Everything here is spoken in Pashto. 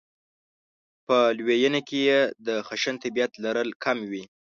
په لویېنه کې یې د خشن طبعیت لرل کم وي.